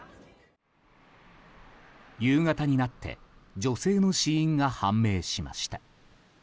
夕方になって女性の死因が判明しました。